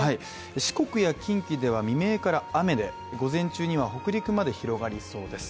四国や近畿では、未明から雨で午前中には北陸まで広がりそうです。